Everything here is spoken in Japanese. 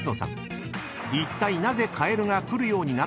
［いったい］